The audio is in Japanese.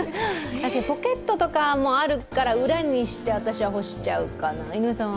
ポケットとかもあるから、私は裏にして干しちゃうかな。